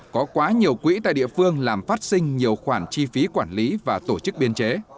có quá nhiều quỹ tại địa phương làm phát sinh nhiều khoản chi phí quản lý và tổ chức biên chế